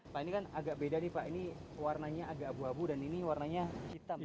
pak ini kan agak beda nih pak ini warnanya agak abu abu dan ini warnanya hitam